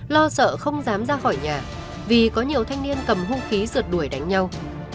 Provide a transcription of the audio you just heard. lo sợ không dám ra khỏi nhà vì có nhiều thanh niên cầm hung khí rượt đuổi đánh nhau